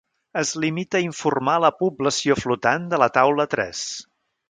Es limita a informar la població flotant de la taula tres.